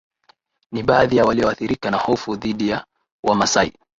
ni baadhi ya walioathirika na hofu dhidi ya Wamasai